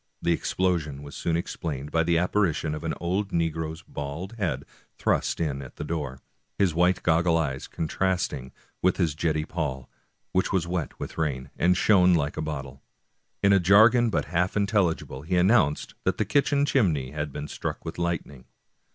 The explosion was soon explained by the apparition of an old negro's bald head thrust in at the door, his white goggle eyes contrasting with his jetty poll, which was wet with rain, and shone like a bottle. In a jargon but half intelligible he announced that the kitchen chimney had been struck with lightning.